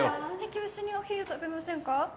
今日一緒にお昼食べませんか？